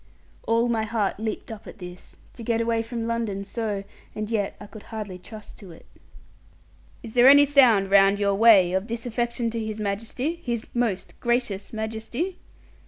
All my heart leaped up at this, to get away from London so: and yet I could hardly trust to it. 'Is there any sound round your way of disaffection to His Majesty, His most gracious Majesty?'